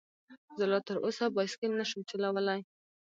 زه لا تر اوسه بايسکل نشم چلولی